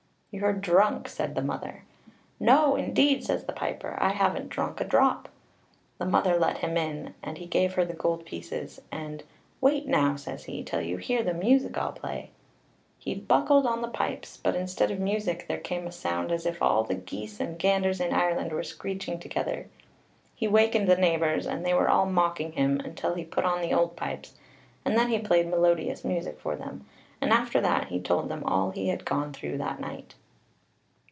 "You're drunk," said the mother. "No, indeed," says the piper, "I haven't drunk a drop." The mother let him in, and he gave her the gold pieces, and, "Wait now," says he, "till you hear the music I'll play." He buckled on the pipes, but instead of music, there came a sound as if all the geese and ganders in Ireland were screeching together. He wakened the neighbours, and they were all mocking him, until he put on the old pipes, and then he played melodious music for them; and after that he told them all he had gone through that night.